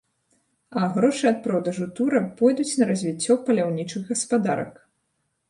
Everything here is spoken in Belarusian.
А грошы ад продажу тура пойдуць на развіццё паляўнічых гаспадарак.